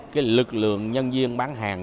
cái lực lượng nhân viên bán hàng